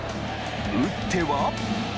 打っては。